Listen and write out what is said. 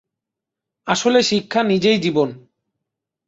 আসলে শিক্ষা নিজেই জীবন।